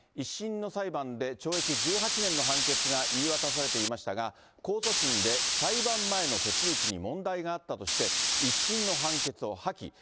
１審の裁判で懲役１８年の判決が言い渡されていましたが、控訴審で裁判前の手続きに問題があったとして、１審の判決を破棄。